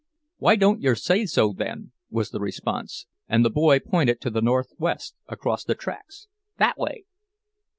"Why don't yer say so then?" was the response, and the boy pointed to the northwest, across the tracks. "That way."